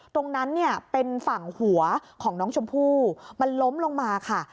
ตรงนั้นเนี่ยเป็นฝั่งหัวของน้องชมพู่มันล้มลงมาค่ะ